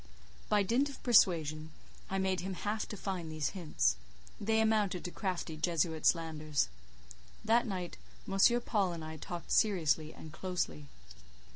By dint of persuasion, I made him half define these hints; they amounted to crafty Jesuit slanders. That night M. Paul and I talked seriously and closely.